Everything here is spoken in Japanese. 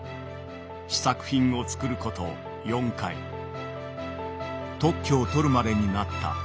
試作品を作ること４回特許を取るまでになった。